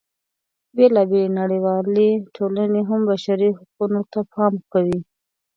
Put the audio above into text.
بېلا بېلې نړیوالې ټولنې هم بشري حقونو ته پاملرنه کوي.